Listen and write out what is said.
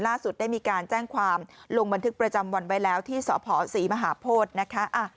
ได้มีการแจ้งความลงบันทึกประจำวันไว้แล้วที่สพศรีมหาโพธินะคะ